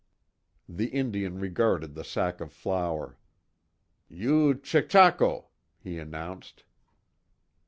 The Indian regarded the sack of flour: "You chechako," he announced.